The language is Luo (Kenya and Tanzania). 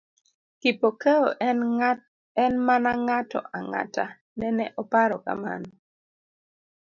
Kipokeo en mana ng'ato ang'ata…nene oparo kamano.